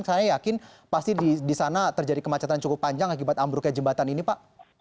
saya yakin pasti di sana terjadi kemacetan cukup panjang akibat ambruknya jembatan ini pak